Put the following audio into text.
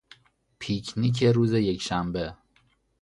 پیک نیک روز یکشنبه